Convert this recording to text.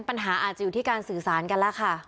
ปัญหาอาจจะอยู่ที่การสื่อสารกันแล้วค่ะ